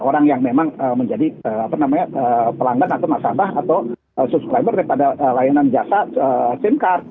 orang yang memang menjadi pelanggan atau nasabah atau subscriber daripada layanan jasa sim card